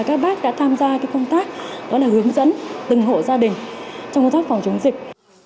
các bác đã tham gia công tác đó là hướng dẫn từng hộ gia đình trong công tác phòng chống dịch